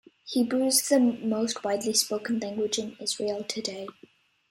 Hebrew is the most widely spoken language in Israel today.